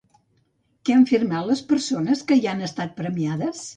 Què han firmat les persones vives que hi han estat premiades?